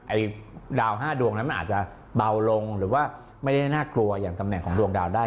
ไอ้ดาว๕ดวงนั้นมันอาจจะเบาลงหรือว่าไม่ได้น่ากลัวอย่างตำแหน่งของดวงดาวได้